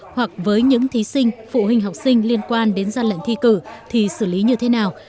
hoặc với những thí sinh phụ huynh học sinh liên quan đến gian lận thi cử thì xử lý như thế nào